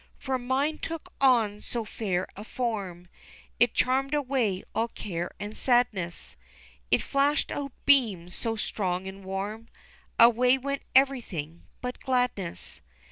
For mine took on so fair a form It charmed away all care and sadness, It flashed out beams so strong and warm, Away went everything but gladness.